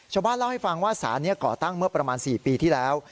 ชาวบ้านเล่าให้ฟังว่าสารนี้ก่อตั้งเมื่อประมาณ๔ปีที่แล้ว